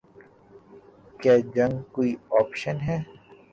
کیا جنگ کوئی آپشن ہے؟